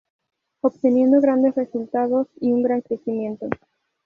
Obteniendo grandes resultados y un gran crecimiento.